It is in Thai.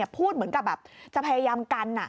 พูดเหมือนกับแบบจะพยายามกัน